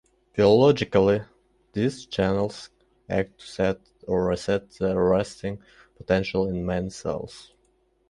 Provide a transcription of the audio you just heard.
Biologically, these channels act to set or reset the resting potential in many cells.